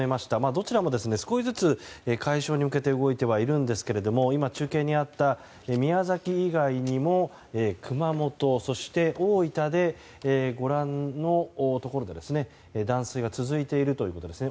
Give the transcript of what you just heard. どちらも少しずつ解消に向けて動いてはいるんですが今、中継にあった宮崎以外にも熊本、大分でご覧のところで断水が続いているということです。